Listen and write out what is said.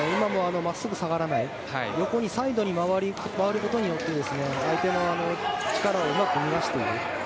真っすぐに下がらないで横に、サイドに回ることによって相手の力をうまく逃がしています。